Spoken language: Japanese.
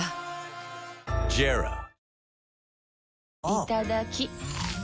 いただきっ！